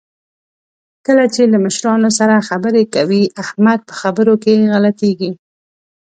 کله چې له مشرانو سره خبرې کوي، احمد په خبرو کې غلطېږي.